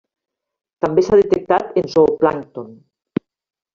També s'ha detectat en zooplàncton.